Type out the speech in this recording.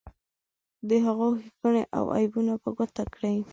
د هغو ښیګڼې او عیبونه په ګوته کړئ.